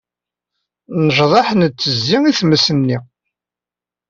Necḍeḥ, nettezzi i tmes-nni.